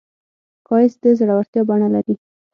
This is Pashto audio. ښایست د زړورتیا بڼه لري